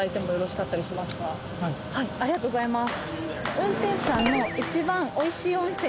ありがとうございます。